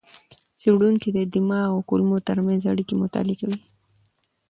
څېړونکي د دماغ او کولمو ترمنځ اړیکې مطالعه کوي.